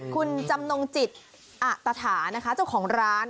คุณจำนงจิตอัตถานะคะเจ้าของร้าน